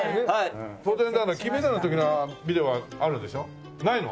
当然だから金メダルの時のビデオはあるでしょ？ないの？